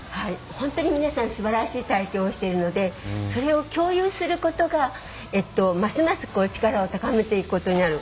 本当に皆さんすばらしい体験をしているのでそれを共有することがますます力を高めていくことになる。